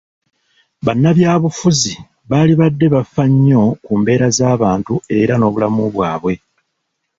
Bannabyabufuzi baalibadde bafa nnyo ku mbeera z'abantu era n'obulamu bwabwe.